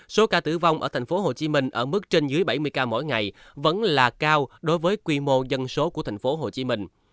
số ca tử vong ở tp hcm ở mức trên dưới bảy mươi ca mỗi ngày vẫn là cao đối với quy mô dân số của tp hcm